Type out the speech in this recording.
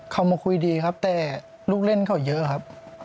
เขามาคุยดีครับแต่ลูกเล่นเขาเยอะครับ